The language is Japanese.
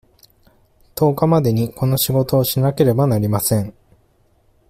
十日までにこの仕事をしなければなりません。